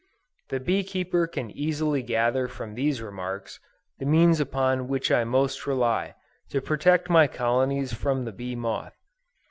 The bee keeper can easily gather from these remarks, the means upon which I most rely, to protect my colonies from the bee moth.